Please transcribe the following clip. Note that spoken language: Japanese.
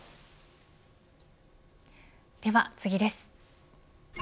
では次です。